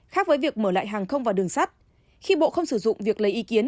khác với việc mở lại hàng không vào đường sắt khi bộ không sử dụng việc lấy ý kiến